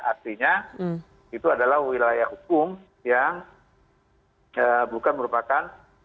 artinya itu adalah wilayah hukum yang bukan merupakan